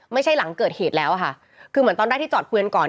ไม่ใช่หลังเกิดเหตุแล้วอะค่ะคือเหมือนตอนแรกที่จอดเกวียนก่อน